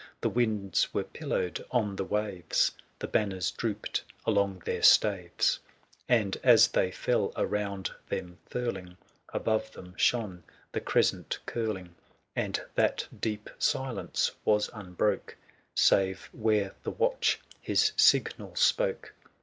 210 The winds were pillowed on the waves ; The banners drooped along their staves, And, as they fell around them furling, Above them shone the crescent curling ; And that deep silence was unbroke, 215 Save where the watch his signal spoke.